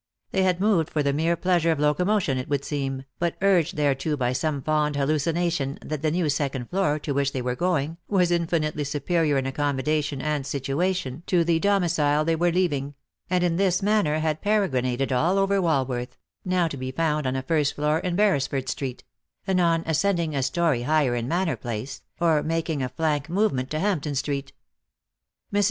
They had moved for the mere pleasure of locomotion, it would seem, but urged thereto by some fond hallucination that the new second floor to which they were going was infinitely superior in accommodation and situation to the domicile they were leaving; and in this manner had peregrinated all over Walworth — now to be found on a first floor in Beresford street ; anon ascending a story higher in Manor place, or making a flank movement to Hampton street. Mrs.